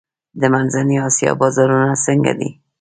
د منځنۍ اسیا بازارونه څنګه دي؟